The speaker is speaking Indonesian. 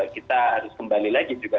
kita harus kembali lagi juga